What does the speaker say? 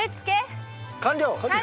完了！